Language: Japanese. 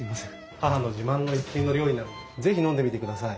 義母の自慢の一品の料理なんで是非飲んでみてください。